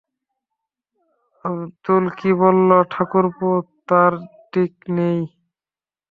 আঃ, কী বল ঠাকুরপো, তার ঠিক নেই।